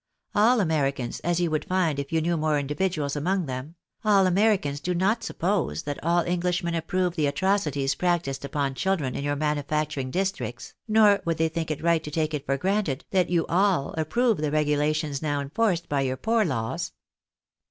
All Americans, as you would find if you knew more individuals among them, — all Americans do not suppose that all Englishmen approve the atro cities practised upon children in your manufacturing districts, nor would they think it right to take it for granted, that you all approve the regulations now enforced by your poor laws."